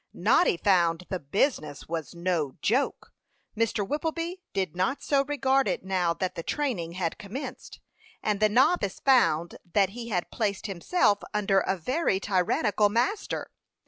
Noddy found the "business" was no joke. Mr. Whippleby did not so regard it, now that the training had commenced; and the novice found that he had placed himself under a very tyrannical master.